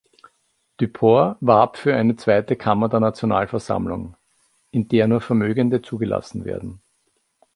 Duport warb für eine zweite Kammer der Nationalversammlung, in der nur Vermögende zugelassen werden.